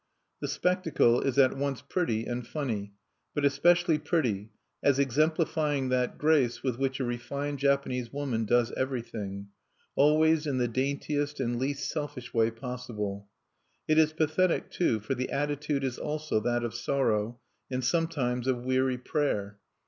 The spectacle is at once pretty and funny, but especially pretty, as exemplifying that grace with which a refined Japanese woman does everything, always in the daintiest and least selfish way possible. It is pathetic, too, for the attitude is also that of sorrow, and sometimes of weary prayer.